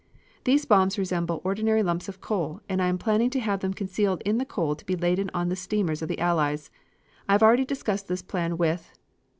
These bombs resemble ordinary lumps of coal and I am planning to have them concealed in the coal to be laden on steamers of the Allies. I have already discussed this plan with